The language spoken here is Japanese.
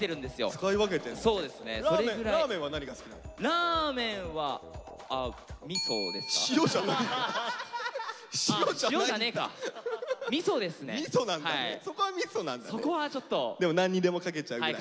ラーメンはでも何にでもかけちゃうぐらい。